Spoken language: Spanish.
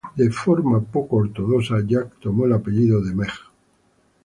De forma poco ortodoxa, Jack tomó el apellido de Meg.